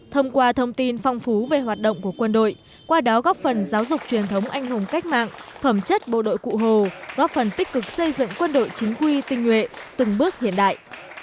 thông qua thông tin phong phú về hoạt động của quân đội qua đó góp phần giáo dục truyền thống anh hùng cách mạng phẩm chất bộ đội cụ hồ góp phần tích cực xây dựng quân đội chính quy tinh nguyện từng bước hiện đại